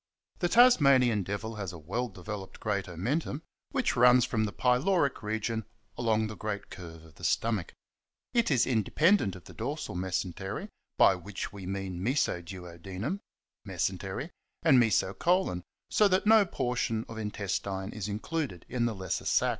The Tasmanian Devil has a well developed great omentum, which runs from the pyloric region along the great curve of the stomach. It is independent of the dorsal mesentery, by which we mean meso duodenum— mesentery — and mesocolon, so that no portion of intestine is included in the lesser sac.